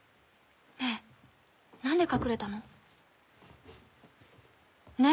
ねぇ何で隠れたの？ねぇ。